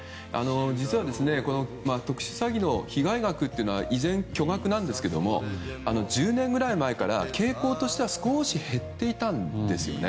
実は特殊詐欺の被害額というのは巨額なんですが１０年ほど前から傾向としては少し減っていたんですよね。